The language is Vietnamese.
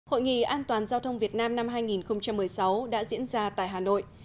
hội nghị an toàn giao thông việt nam năm hai nghìn một mươi sáu đã diễn ra tại hà nội